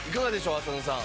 浅野さん。